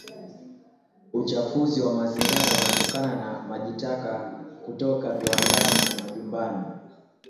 Uchafuzi wa mazingira unatokana na majitaka kutoka viwandani na majumbani